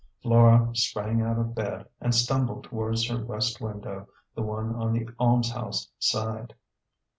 Flora sprang out of bed, and stumbled towards her west window the one on the almshouse side.